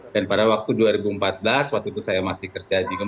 dan pada waktu dua ribu empat belas waktu itu saya masih kerja